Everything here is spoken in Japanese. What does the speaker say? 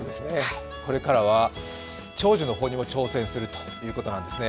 これからは長寿の方にも挑戦するということなんですね。